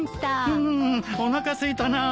うんおなかすいたなあ。